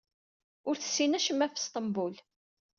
Ur tessin acemma ɣef Sṭembul.